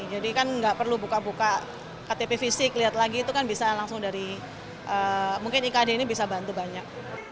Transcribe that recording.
jadi kan nggak perlu buka buka ktp fisik lihat lagi itu kan bisa langsung dari mungkin ikd ini bisa bantu banyak